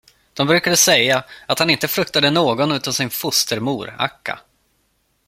De brukade säga, att han inte fruktade någon utom sin fostermor, Akka.